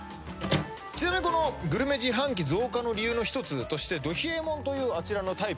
ちなみにこのグルメ自販機増加の理由の一つとしてど冷えもんというあちらのタイプ。